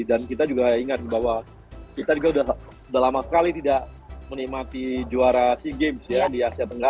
dan kita juga ingat bahwa kita juga sudah lama sekali tidak menikmati juara sea games ya di asia tenggara